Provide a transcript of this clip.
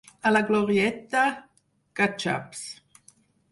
A la Glorieta, catxaps.